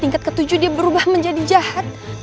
tingkat ketujuh dia berubah menjadi jahat